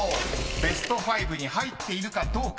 ベスト５に入っているかどうか？］